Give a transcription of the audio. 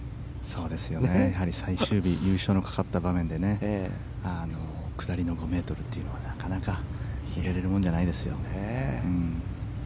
最終日優勝のかかった場面で下りの５ｍというのは、なかなか入れれるものじゃないですよ。